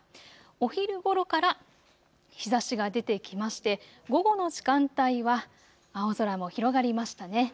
お昼ごろから日ざしが出てきまして午後の時間帯は青空も広がりましたね。